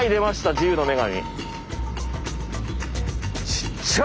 自由の女神。